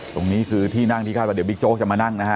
ตรงนี้คือที่นั่งที่คาดว่าเดี๋ยวบิ๊กโจ๊กจะมานั่งนะฮะ